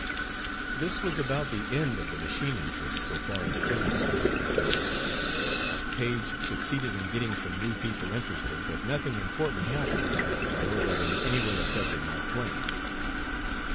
This was about the end of the machine interests so far as Clemens was concerned. Paige succeeded in getting some new people interested, but nothing important happened, or that in any way affected Mark Twain.